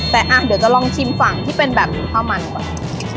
แต่เดี๋ยวจะลองชิมฝั่งที่เป็นแบบข้าวมันก่อน